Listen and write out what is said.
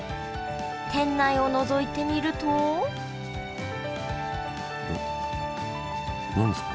店内をのぞいてみると何ですか？